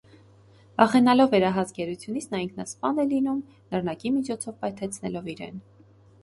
Վախենալով վերահաս գերությունից նա ինքնասպան է լինում՝ նռնակի միջոցով պայթեցնելով իրեն։